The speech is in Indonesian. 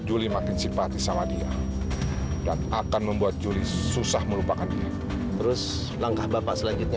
juli makin simpatis sama dia dan akan membuat juli susah melupakan ini terus langkah bapak selanjutnya